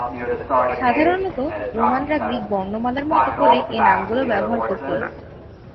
সাধারণত রোমানরা গ্রীক বর্ণমালার মতো করে এ নামগুলো ব্যবহার করতো না।